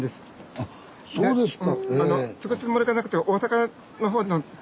あそうですか。